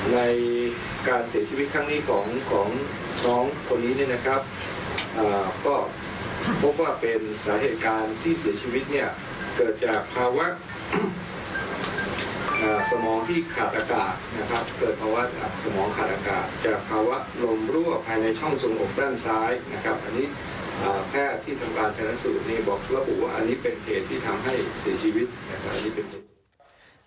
นะครับเภทชำการทรายสูตร